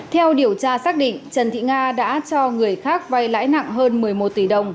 theo điều tra xác định trần thị nga đã cho người khác vay lãi nặng hơn một mươi một tỷ đồng